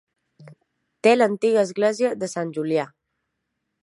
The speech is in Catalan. Té l'antiga església de Sant Julià.